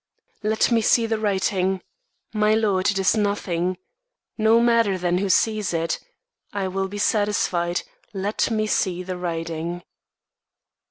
Let me see the writing. My lord, 'tis nothing. No matter, then, who sees it; I will be satisfied, let me see the writing.